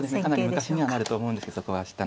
かなり昔にはなると思うんですけどそこは知った